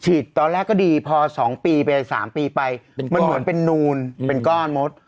ฉีดตอนแรกก็ดีพอสองปีไปสามปีไปเป็นก้อนมันเหมือนเป็นนูนเป็นก้อนมด